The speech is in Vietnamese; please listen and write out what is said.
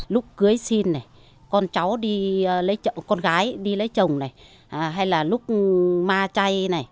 lúc cưới xin này con gái đi lấy chồng này hay là lúc ma chay này